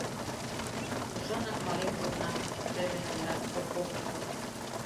Тушанак мален кодынам, — тӧрлен ойла Полковников.